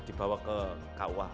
dibawa ke kawah